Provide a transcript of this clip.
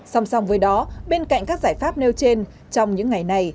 song song với đó bên cạnh các giải pháp nêu trên trong những ngày này